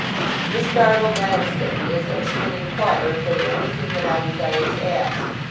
Miss Dartle glanced at me, as though she would inquire if there were anything that I desired to ask.